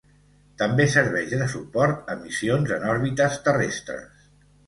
També serveix de suport a missions en òrbites terrestres.